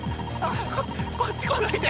こっち来ないで。